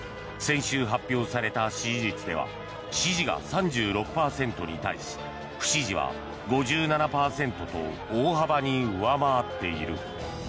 先週発表された支持率では支持が３６％に対し不支持は５７％と大幅に上回っている。